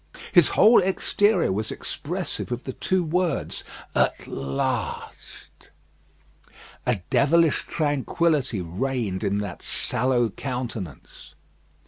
His whole exterior was expressive of the two words, "At last." A devilish tranquillity reigned in that sallow countenance.